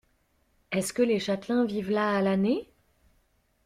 Est-ce que les châtelains vivent là à l’année?